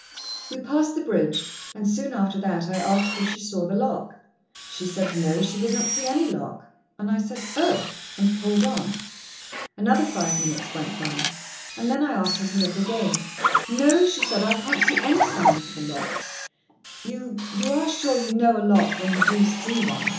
We passed the bridge, and soon after that I asked if she saw the lock. She said no, she did not see any lock; and I said, "Oh!" and pulled on. Another five minutes went by, and then I asked her to look again. "No," she said; "I can't see any signs of a lock." "You—you are sure you know a lock, when you do see one?"